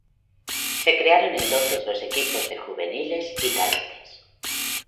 Se crearon entonces los equipos de juveniles y cadetes.